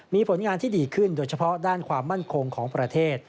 มีผลงานที่ดีขึ้นโดยเฉพาะด้านความมั่นคงของประเทศ